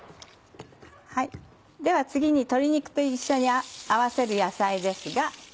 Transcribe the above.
では次に鶏肉と一緒に合わせる野菜ですが。